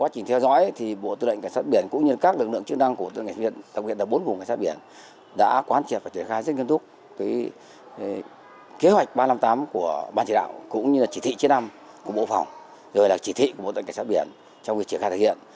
chức năng của tổng viên cảnh sát biển đã quan trọng và triển khai rất nghiên túc kế hoạch ba trăm năm mươi tám của ban chỉ đạo cũng như là chỉ thị chế năng của bộ phòng rồi là chỉ thị của bộ tổng viên cảnh sát biển trong việc triển khai thực hiện